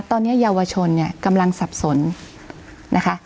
ตอนนี้เยาวชนเนี่ยกำลังสับสนนะคะ